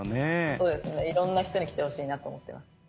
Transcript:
そうですねいろんな人に来てほしいなと思ってます。